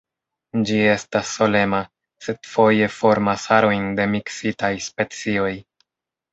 Ĝi estas solema, sed foje formas arojn de miksitaj specioj.